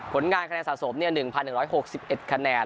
ผลงานคะแนนสะสม๑๑๖๑คะแนน